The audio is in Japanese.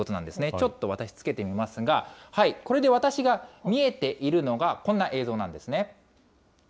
ちょっと私、つけてみますが、これで私が見えているのがこんな映像なんですね。